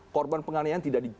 korban penganiayaan tidak ditangani